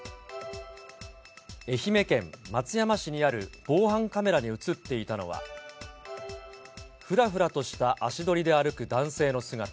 愛媛県松山市にある防犯カメラに写っていたのは、ふらふらとした足取りで歩く男性の姿。